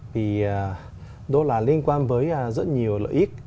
vì đâu là liên quan với rất nhiều lợi ích